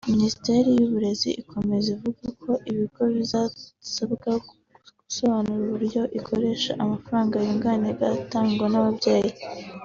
Minisiteri y’uburezi ikomeza ivuga ko ibigo bizanasabwa gusobanura uburyo bikoresha amafaranga yunganira atangwa n’ababyeyi